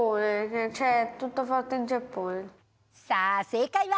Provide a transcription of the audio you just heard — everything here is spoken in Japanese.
さあ正解は？